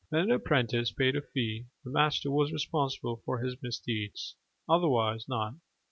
When an apprentice paid a fee, the master was responsible for his misdeeds: otherwise not.